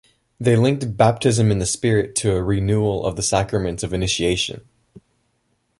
They linked baptism in the Spirit to a renewal of the sacraments of initiation.